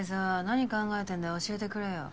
何考えてんだ教えてくれよ。